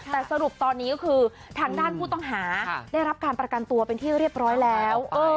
แต่สรุปตอนนี้ก็คือทางด้านผู้ต้องหาได้รับการประกันตัวเป็นที่เรียบร้อยแล้ว